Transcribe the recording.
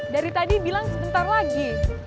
dari tadi bilang sebentar lagi